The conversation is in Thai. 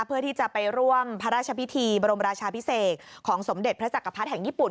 เพื่อที่จะไปร่วมพระราชพิธีบรมราชาพิเศษของสมเด็จพระจักรพรรดิแห่งญี่ปุ่น